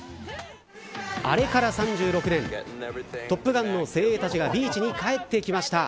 あれから３６年トップガンの精鋭たちがビーチに帰ってきました。